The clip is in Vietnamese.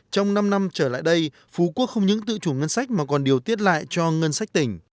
trong năm năm trở lại đây phú quốc không những tự chủ ngân sách mà còn điều tiết lại cho ngân sách tỉnh